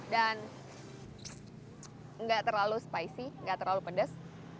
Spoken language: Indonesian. dan nggak terlalu spicy nggak terlalu pedas